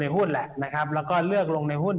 หุ้นแหละนะครับแล้วก็เลือกลงในหุ้น